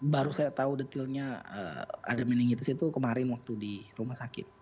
baru saya tahu detailnya ada meningitis itu kemarin waktu di rumah sakit